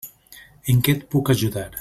En què et puc ajudar?